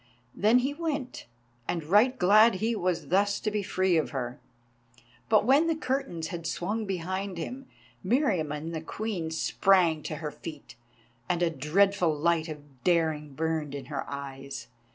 Then he went, and right glad he was thus to be free of her. But when the curtains had swung behind him, Meriamun the Queen sprang to her feet, and a dreadful light of daring burned in her eyes.